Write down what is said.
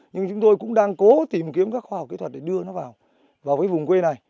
nhưng chúng tôi cũng đang cố tìm kiếm các khoa học kỹ thuật để đưa nó vào với vùng quê này